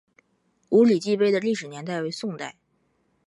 五礼记碑的历史年代为宋代。